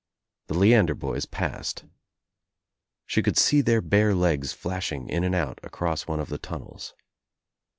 The Lean der boys passed. She could see their bare legs flash ing in and out across one of the tunnels.